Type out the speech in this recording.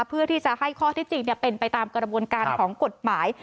เพื่อที่จะให้ข้อที่จริงเป็นไปตามกระบวนการของกฎหมาย